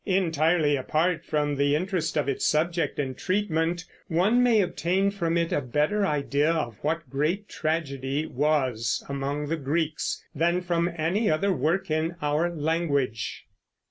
Entirely apart from the interest of its subject and treatment, one may obtain from it a better idea of what great tragedy was among the Greeks than from any other work in our language.